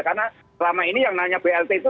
karena selama ini yang nanya blt itu